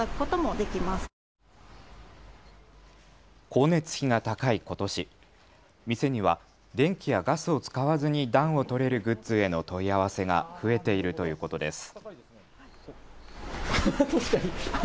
光熱費が高いことし、店には電気やガスを使わずに暖を取れるグッズへの問い合わせが増えているということです。